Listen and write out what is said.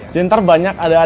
jadi ntar banyak ada adegan